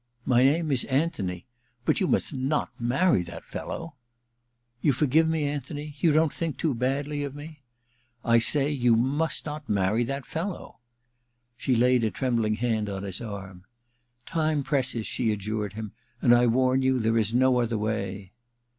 My name is Anthony. But you must not marry that fellow.' * You forcive me, Anthony ? You don't think too badly of me ?'* I say you must not marry that fellow.' She laid a trembling hand on his arm. * Time presses,' she adjured him, * and I warn you there is no other way.'